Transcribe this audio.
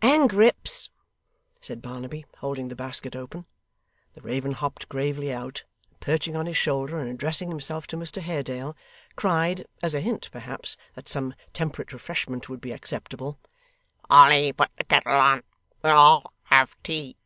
'And Grip's,' said Barnaby, holding the basket open. The raven hopped gravely out, and perching on his shoulder and addressing himself to Mr Haredale, cried as a hint, perhaps, that some temperate refreshment would be acceptable 'Polly put the ket tle on, we'll all have tea!